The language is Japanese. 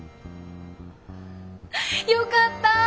よかった！